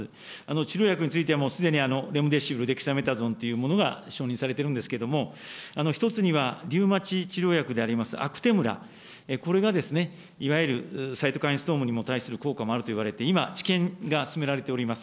治療薬についてはもうすでに、レムデシビル、デキサメタゾンというものが承認されているんですけれども、一つにはリウマチ治療薬でありますアクテムラ、これがいわゆるサイトカインストームに対する効果もあるといわれて、今、治験が進められております。